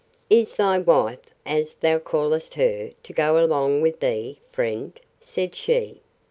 Is thy wife, as thou callest her, to go along with thee, friend? said she.